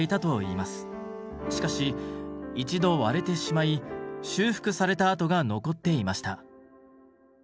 しかし一度割れてしまい修復された跡が残っていました。